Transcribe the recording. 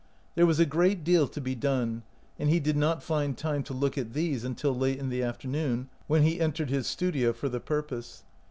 There was a great deal to be done, and he did not find time to look at these until late in the after noon, when he entered his studio for the purpose.